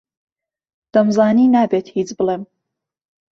دەمزانی نابێت هیچ بڵێم.